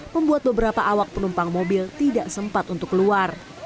membuat beberapa awak penumpang mobil tidak sempat untuk keluar